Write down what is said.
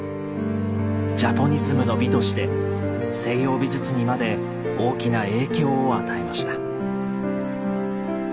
「ジャポニスムの美」として西洋美術にまで大きな影響を与えました。